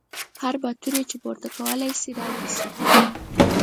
هر باتور یې چې پورته کولی شي را دې شي.